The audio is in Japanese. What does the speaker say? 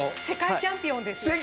世界チャンピオンです。